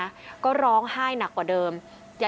อะไรอยู่แล้วก็ไปที่นี่